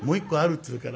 っつうから